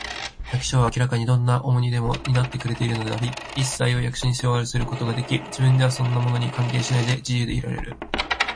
役所は明らかにどんな重荷でも担ってくれているのであり、いっさいを役所に背負わせることができ、自分ではそんなものに関係しないで、自由でいられる